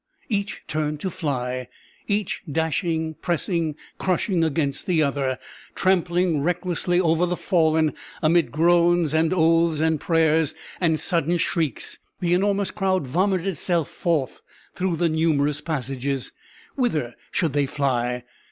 Each turned to fly each dashing, pressing, crushing against the other. Trampling recklessly over the fallen, amid groans and oaths and prayers and sudden shrieks, the enormous crowd vomited itself forth through the numerous passages. Whither should they fly?